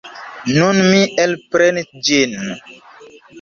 Nun mi elprenis ĝin.